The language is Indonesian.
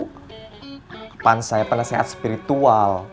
kapan saya pernah sehat spiritual